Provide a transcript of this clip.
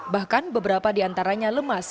bahkan beberapa di antaranya lemas